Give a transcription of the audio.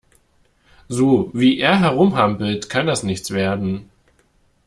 So, wie er herumhampelt, kann das nichts werden.